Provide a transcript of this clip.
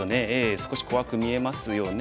少し怖く見えますよね。